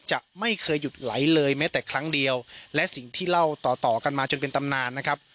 จะไม่เคยหยุดไหลเลยแม้แต่ครั้งเดียวและสิ่งที่เล่าต่อต่อกันมาจนเป็นตำนานนะครับ